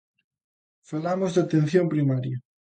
Falamos de atención primaria.